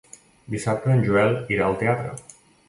Dissabte en Joel irà al teatre.